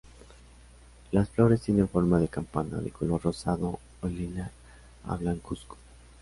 Las flores tienen forma de campana, de color rosado o lila a blancuzco.